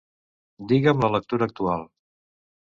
Digue'm la lectura actual.